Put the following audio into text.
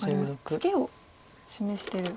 ツケを示して。